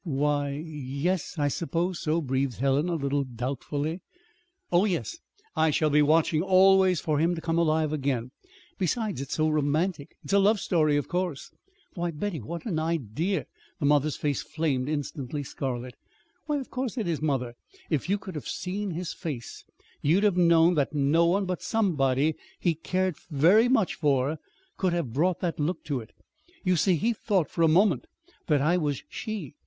"Why, y yes, I suppose so," breathed Helen, a little doubtfully. "Oh, yes, I shall be watching always for him to come alive again. Besides, it's so romantic! It's a love story, of course." "Why, Betty, what an idea!" The mother's face flamed instantly scarlet. "Why, of course it is, mother. If you could have seen his face you'd have known that no one but somebody he cared very much for could have brought that look to it. You see, he thought for a moment that I was she.